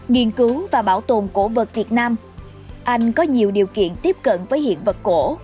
nghiên cứu và bảo tồn cổ vật việt nam anh có nhiều điều kiện tiếp cận với hiện vật cổ